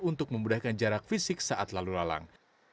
untuk memudahkan jarak fisik saat lalu lalang